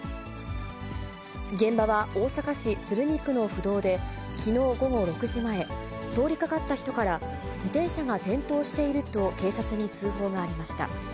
現場は大阪市鶴見区の府道で、きのう午後６時前、通りかかった人から、自転車が転倒していると警察に通報がありました。